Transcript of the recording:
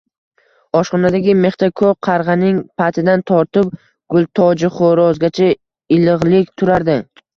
Oshxonadagi mixda ko‘k qarg‘aning patidan tortib, gultojixo‘rozgacha ilig‘lik turardi...